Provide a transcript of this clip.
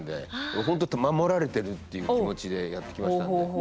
本当守られてるっていう気持ちでやってきましたんで。